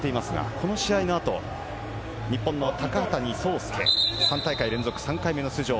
この試合の後、日本の高谷惣亮、３大会連続３回目の出場。